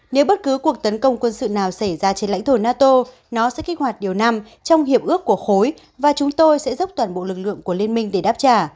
nếu bất cứ cuộc tấn công quân sự nào xảy ra trên lãnh thổ nato nó sẽ kích hoạt điều năm trong hiệp ước của khối và chúng tôi sẽ dốc toàn bộ lực lượng của liên minh để đáp trả